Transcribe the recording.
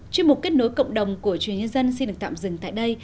chỉ mục kết nối cộng đồng của chuyên nhân dân xin được tạm dừng tại đây